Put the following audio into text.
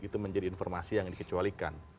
itu menjadi informasi yang dikecualikan